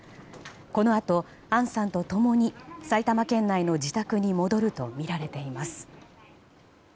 このあと、杏さんと共に埼玉県内の自宅に戻るとみられています。